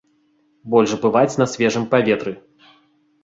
Больш бываць на свежым паветры.